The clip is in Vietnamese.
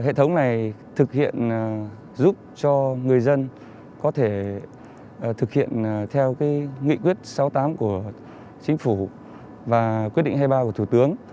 hệ thống này thực hiện giúp cho người dân có thể thực hiện theo nghị quyết sáu mươi tám của chính phủ và quyết định hai mươi ba của thủ tướng